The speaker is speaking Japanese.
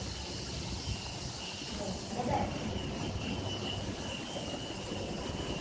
多分あれだよ。えっ？